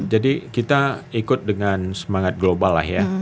jadi kita ikut dengan semangat global lah ya